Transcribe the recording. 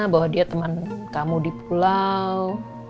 bahwa dia teman kamu di pulau